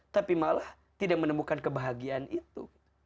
tapi malah tidak menemukan kebahagiaan itu